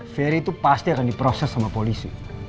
ferry itu pasti akan diproses sama polisi